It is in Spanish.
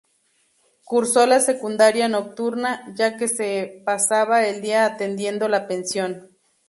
Cursó la secundaria nocturna, ya que se pasaba el día atendiendo la pensión.